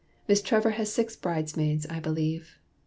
Miss Trevor has six bridesmaids I believe.